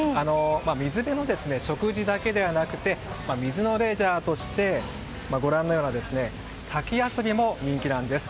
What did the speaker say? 水辺の食事だけではなくて水のレジャーとしてご覧のような滝遊びも人気なんです。